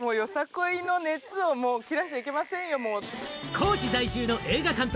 高知在住の映画監督・